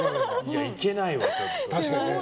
いけないわ、ちょっと。